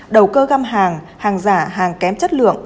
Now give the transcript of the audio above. đầu cơ găm hàng hàng giả hàng kém chất lượng